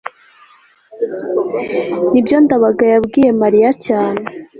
nibyo ndabaga yabwiye mariya cyane